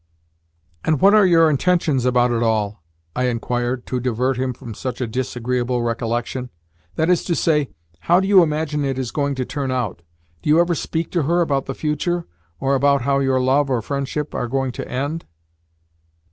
"And what are your intentions about it all?" I inquired, to divert him from such a disagreeable recollection. "That is to say, how do you imagine it is going to turn out? Do you ever speak to her about the future, or about how your love or friendship are going to end?"